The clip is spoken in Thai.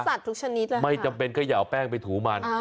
ลูกสัตว์ทุกชนิดไม่จำเป็นก็อย่าเอาแป้งไปถูมัน